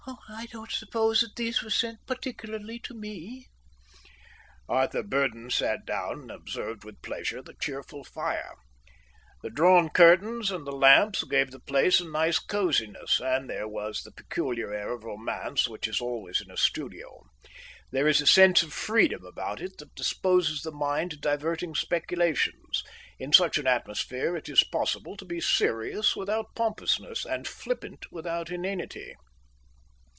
"I don't suppose that these were sent particularly to me." Arthur Burdon sat down and observed with pleasure the cheerful fire. The drawn curtains and the lamps gave the place a nice cosiness, and there was the peculiar air of romance which is always in a studio. There is a sense of freedom about it that disposes the mind to diverting speculations. In such an atmosphere it is possible to be serious without pompousness and flippant without inanity.